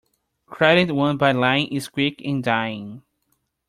Credit won by lying is quick in dying.